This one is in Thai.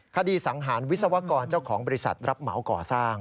สังหารวิศวกรเจ้าของบริษัทรับเหมาก่อสร้าง